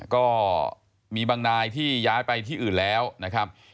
ก็มีบางนายที่ย้ายไปที่อื่นแล้วนะครับ